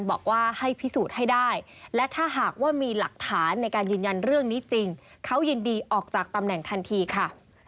ออกจากตำแหน่งทันทีค่ะ